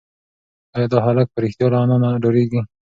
ایا دا هلک په رښتیا له انا نه ډارېږي؟